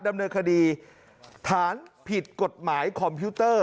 ดำเนินคดีฐานผิดกฎหมายคอมพิวเตอร์